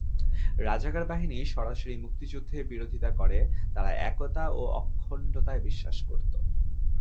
রাজাকার বাহিনী সরাসরি মুক্তিযুদ্ধের বিরোধিতা করে তারা একতা ও অখণ্ডতায় বিশ্বাস করত।